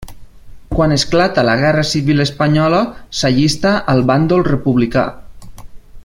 Quan esclata la Guerra Civil espanyola s'allista al bàndol republicà.